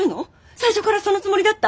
最初からそのつもりだった？